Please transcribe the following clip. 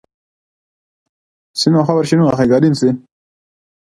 William Orr, an early postmaster, gave the community its name.